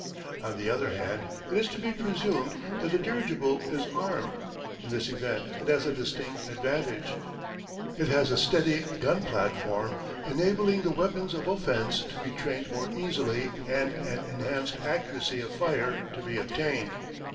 On the other hand, it is to be presumed that the dirigible is armed. In this event it has a distinct advantage. It has a steady gun platform enabling the weapons of offence to be trained more easily and an enhanced accuracy of fire to be obtained.